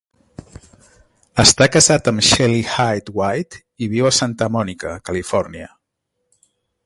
Està casat amb Shelly Hyde-White i viu a Santa Mònica, Califòrnia.